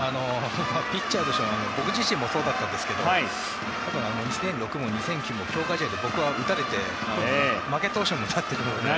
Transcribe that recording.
ピッチャーの僕自身もそうだったんですけど２００６も２００９も強化試合で僕は打たれて負け投手になっているので。